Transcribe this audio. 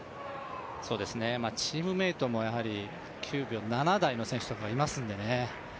チームメートも９秒７台の選手とかもいますのでね。